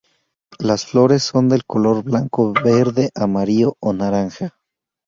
Las flores son de color blanco, verde, amarillo o naranja.